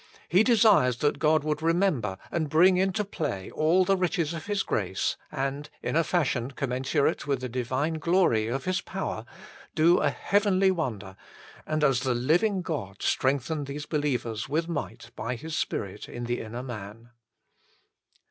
He desires that God would remember and bring into play all the riches of His grace and, in a fashion commensurate with the divine glory of His power, do a heavenly wonder and as the living God strengthen these believers with might by His Spirit in the inner man.